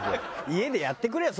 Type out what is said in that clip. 家でやってくれよ！